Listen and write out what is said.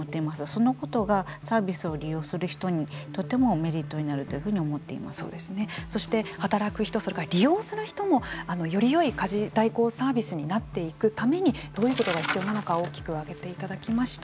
そのことがサービスを利用する人にとてもメリットになるとそして、働く人それから利用する人もよりよい家事代行サービスになっていくためにどういうことが必要なのか大きく挙げていただきました。